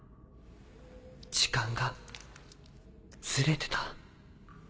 時間がズレてた？